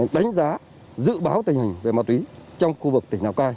đánh giá dự báo tình hình về ma túy trong khu vực tỉnh lào cai